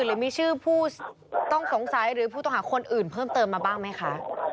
หรือมีชื่อผู้ต้องสงสัยหรือผู้ต้องหาคนอื่นเพิ่มเติมมาบ้างไหมคะ